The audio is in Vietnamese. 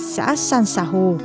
xã san sả hồ